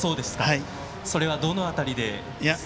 それはどの辺りですか？